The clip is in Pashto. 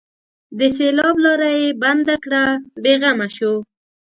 د سېلاب لاره یې بنده کړه؛ بې غمه شو.